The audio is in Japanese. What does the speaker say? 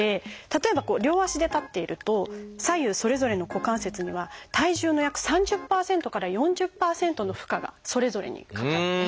例えば両足で立っていると左右それぞれの股関節には体重の約３０％から４０％の負荷がそれぞれにかかって。